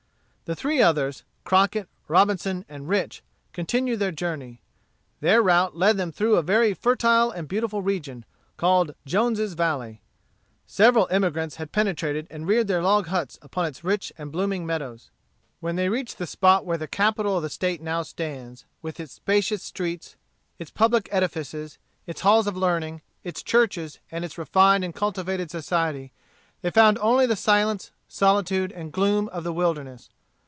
The three others, Crockett, Robinson, and Rich, continued their journey. Their route led them through a very fertile and beautiful region, called Jones's Valley. Several emigrants had penetrated and reared their log huts upon its rich and blooming meadows. When they reached the spot where the capital of the State now stands, with its spacious streets, its public edifices, its halls of learning, its churches, and its refined and cultivated society, they found only the silence, solitude, and gloom of the wilderness.